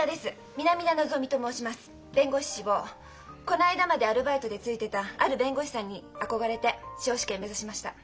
こないだまでアルバイトでついてたある弁護士さんに憧れて司法試験目指しました。